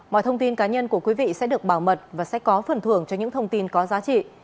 mọi thông tin cá nhân của quý vị sẽ được bảo mật và sẽ có phần thưởng cho những thông tin có giá trị